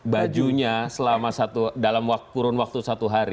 bajunya dalam kurun waktu satu hari